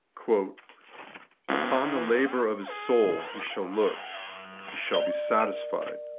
* Upon the labour of His soul He shall look, He shaU be satisfied.'